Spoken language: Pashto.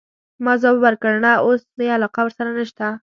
ما ځواب ورکړ: نه، اوس مي علاقه ورسره نشته.